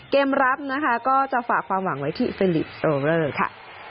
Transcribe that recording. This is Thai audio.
เกมรับนะคะก็จะฝากความหวังไว้ที่ฟิลิปโรเลอร์ค่ะ